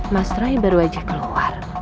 mas roy baru aja keluar